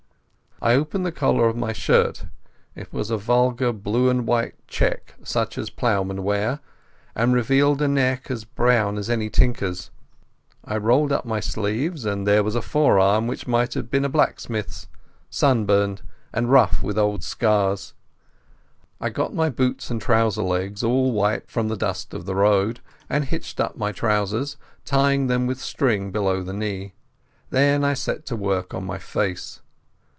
I opened the collar of my shirt—it was a vulgar blue and white check such as ploughmen wear—and revealed a neck as brown as any tinker's. I rolled up my sleeves, and there was a forearm which might have been a blacksmith's, sunburnt and rough with old scars. I got my boots and trouser legs all white from the dust of the road, and hitched up my trousers, tying them with string below the knee. Then I set to work on my face.